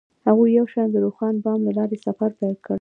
هغوی یوځای د روښانه بام له لارې سفر پیل کړ.